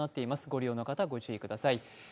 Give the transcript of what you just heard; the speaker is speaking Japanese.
ご利用の方は御注意ください。